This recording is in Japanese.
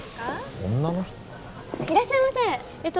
いらっしゃいませえっと